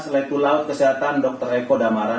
letu laut kesehatan dr eko damara